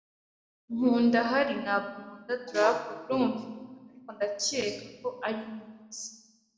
Nkunda Harry, ntabwo nkunda Draco birumvikana, ariko ndacyeka ko ari mwiza.